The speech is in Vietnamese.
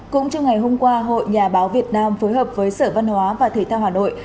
cũng trong ngày hôm qua hội nhà báo việt nam phối hợp với sở văn hóa và thể thao hà nội